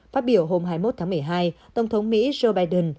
phát biểu hôm hai mươi một tháng một mươi hai tổng thống mỹ joe biden